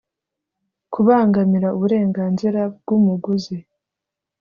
kubangamira uburenganzira bw umuguzi